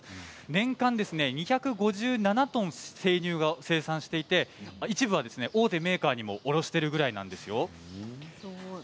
年間２５７トンの生乳を生産していて一部は大手メーカーにも卸しているぐらいなんですよ。